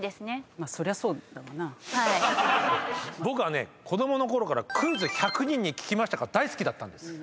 僕はね子供のころから『クイズ１００人に聞きました』が大好きだったんです。